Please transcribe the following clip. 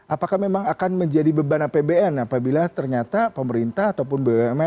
apakah memang akan menjadi beban apbn apabila ternyata pemerintah ataupun bumn tidak bisa membangunnya